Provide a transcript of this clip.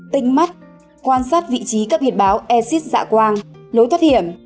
tinh mắt quan sát vị trí các biệt báo exit dạ quang lối thoát hiểm